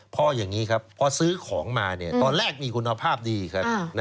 เพราะอย่างนี้ครับพอซื้อของมาตอนแรกมีคุณภาพดีครับ